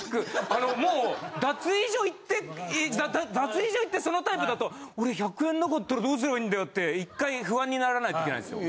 あのもう脱衣所行ってそのタイプだと俺１００円なかったらどうすればいいんだよって１回不安にならないといけないんすよ。